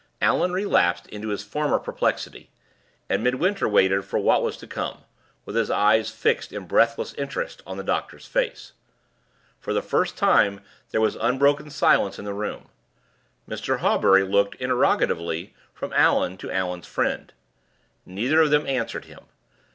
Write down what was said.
Allan relapsed into his former perplexity, and Midwinter waited for what was to come, with his eyes fixed in breathless interest on the doctor's face. For the first time there was unbroken silence in the room. Mr. Hawbury looked interrogatively from Allan to Allan's friend. Neither of them answered him.